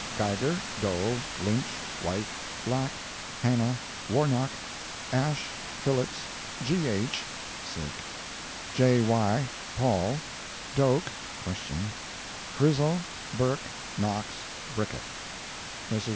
Geiger, Dohle, Lynch, White, Black, Hannah, Warnock, Ash, Phillips, G. H. J. Y. Paul, Doak (?), Frizell, Burke, Knox, Brickett. Messrs.